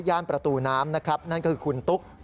ย่านประตูน้ำนั่นก็คือคุณตุ๊ก